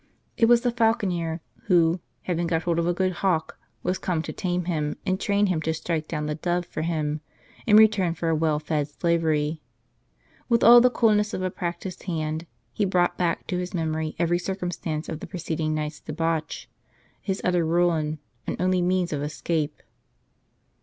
It was the falconei', who, having got hold of a good hawk, was come to tame him, and train him to strike down the dove for him, in return for a well fed slavery. With all the coolness of a practised hand, he brought back ^' to his memory every circumstance of the preceding night's debauch, his utter ruin, and only means of escape.